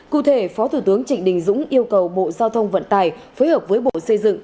cụ thể phó thủ tướng trịnh đình dũng yêu cầu bộ giao thông vận tải phối hợp với bộ xây dựng